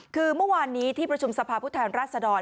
คือเมื่อวานนี้ที่ประชุมสภาพผู้แทนราชดร